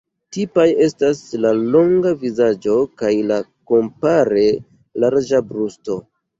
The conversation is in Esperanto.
Tipaj estas la longa vizaĝo kaj la kompare larĝa brusto.